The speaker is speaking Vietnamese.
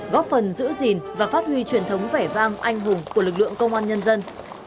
góp phần giữ gìn và phát huy truyền thống vẻ vang anh hùng của lực lượng công an nhân dân